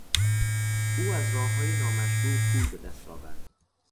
او از راههای نامشروع پول به دست آورد.